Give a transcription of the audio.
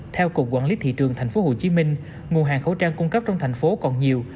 theo cục quản lý thị trường tp hcm nguồn hàng khẩu trang cung cấp trong thành phố còn nhiều